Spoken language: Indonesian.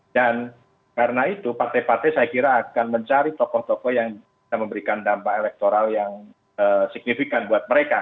dan karena itu partai partai saya kira akan mencari tokoh tokoh yang bisa memberikan dampak elektoral yang signifikan buat mereka